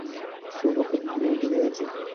দুর্ভাগ্যেরও দুনিয়া আছে?